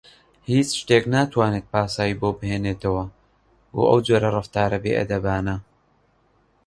هیچ شتێک ناتوانێت پاساوی بۆ بهێنێتەوە بۆ ئەو جۆرە ڕەفتارە بێئەدەبانە.